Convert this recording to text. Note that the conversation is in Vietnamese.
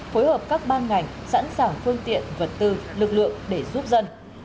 phối hợp các ban ngành sẵn sàng phương tiện vật tư lực lượng để giúp dân